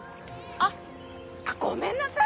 あっごめんなさい。